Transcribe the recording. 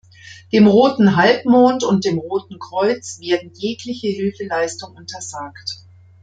Dem Roten Halbmond und dem Roten Kreuz werden jegliche Hilfeleistung untersagt.